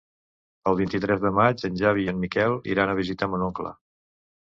El vint-i-tres de maig en Xavi i en Miquel iran a visitar mon oncle.